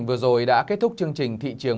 nhân dân a gmail com